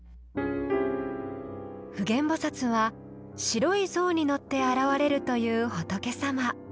普賢菩薩は白い象に乗って現れるという仏様。